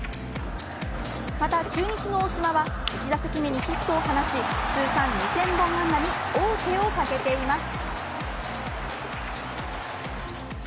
また中日の大島は１打席目にヒットを放ち通算２０００本安打に王手をかけています。